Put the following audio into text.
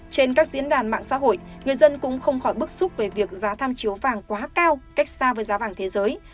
trên các diễn đàn mạng xã hội người dân cũng không khỏi bức xúc về việc giá tham chiếu vàng quá cao cách xa với giá vàng thế giới